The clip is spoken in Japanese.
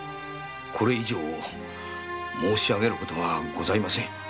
これ以上申し上げることはございません。